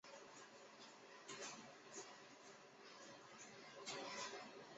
这也是开普勒定律无法预测到的。